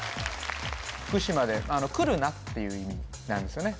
福島で来るなっていう意味なんですよね